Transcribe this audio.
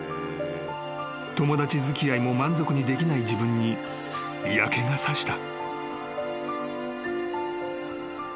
［友達付き合いも満足にできない自分に嫌気が差した］